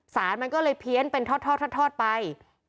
สารมันก็เลยเพี้ยนเป็นทอดไป